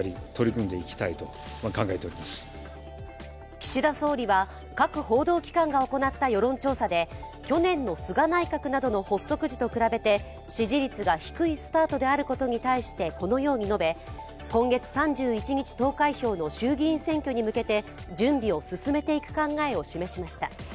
岸田総理は各報道機関が行った世論調査で去年の菅内閣などの発足時と比べて支持率が低いスタートであることに対して、このように述べ、今月３１日投開票の衆議院選挙に向けて準備を進めていく考えを示しました。